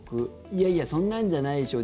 いやいやそんなんじゃないでしょ